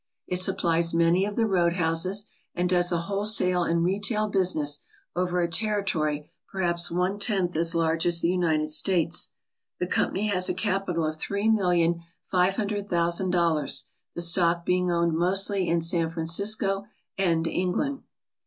It supplies many of the roadhouses, and does a wholesale and retail busi ness over a territory perhaps one tenth as large as the United States. The company has a capital of three mil lion five hundred thousand dollars, the stock being owned mostly in San Francisco and England.